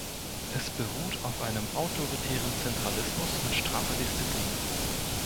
Es beruht auf einem autoritären Zentralismus mit straffer Disziplin.